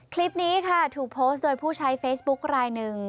คลิปนี้ค่ะถูกโพสต์โดยผู้ใช้เฟซบุ๊คลายหนึ่ง